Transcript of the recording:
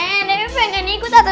nenek pengen ikut atu